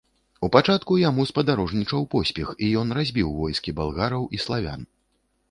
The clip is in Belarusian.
У пачатку яму спадарожнічаў поспех і ён разбіў войскі балгараў і славян.